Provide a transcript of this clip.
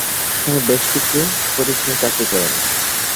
সেখানে বেশ কিছু প্রতিষ্ঠানে চাকরি করেন।